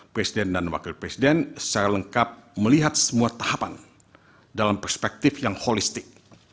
presiden dan wakil presiden secara lengkap melihat semua tahapan dalam perspektif yang holistik